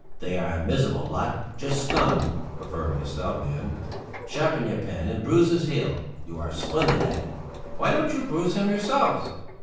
"They are a miserable lot. Just scum," affirmed the stout man. "Sharpen your pen and bruise his heel; you are splendid at it." "Why don't you bruise him yourselves?"